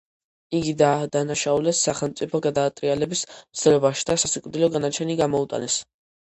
იგი დაადანაშაულეს სახელმწიფო გადატრიალების მცდელობაში და სასიკვდილო განაჩენი გამოუტანეს.